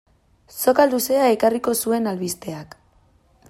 Soka luzea ekarriko zuen albisteak.